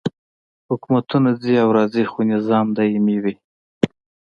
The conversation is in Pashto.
حکومتونه ځي او راځي خو نظام دایمي وي.